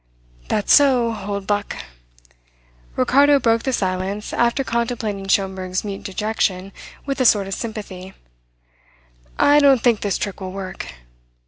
"That's so, old buck." Ricardo broke the silence after contemplating Schomberg's mute dejection with a sort of sympathy. "I don't think this trick will work."